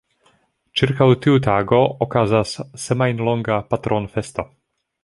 Ĉirkaŭ tiu tago okazas semajnlonga patronfesto.